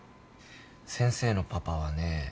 先生のパパはね